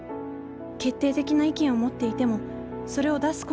決定的な意見を持っていてもそれを出すことができない。